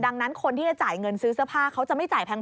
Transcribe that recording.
ดังนั้นคนที่จะจ่ายเงินซื้อเสื้อผ้าเขาจะไม่จ่ายแพง